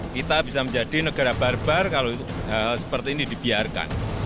kita bisa menjadi negara barbar kalau hal seperti ini dibiarkan